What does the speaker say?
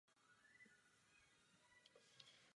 Evropská unie musí zavést opatření na podporu tvůrčích odvětví.